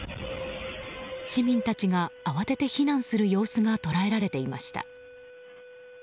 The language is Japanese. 市民たちが慌てて避難する様子が捉えられていました。